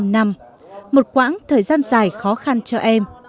năm năm một quãng thời gian dài khó khăn cho em